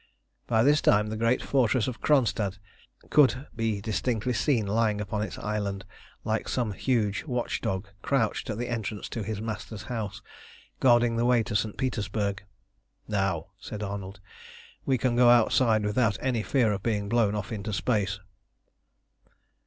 By this time the great fortress of Kronstadt could be distinctly seen lying upon its island, like some huge watch dog crouched at the entrance to his master's house, guarding the way to St. Petersburg. "Now," said Arnold, "we can go outside without any fear of being blown off into space."